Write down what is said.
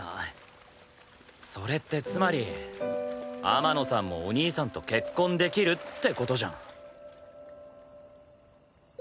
それってつまり天野さんもお兄さんと結婚できるって事じゃん。